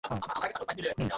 ওই যে, সামনে!